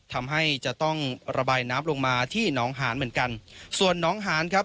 ทำให้จะต้องระบายน้ำลงมาที่หนองหานเหมือนกันส่วนน้องหานครับ